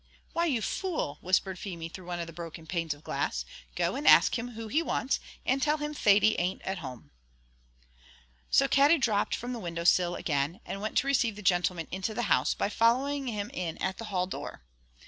"Why, you fool!" whispered Feemy through one of the broken panes of glass, "go and ask him who he wants, and tell him Thady an't at home." So Katty dropped from the window sill again, and went to receive the gentleman into the house by following him in at the hall door.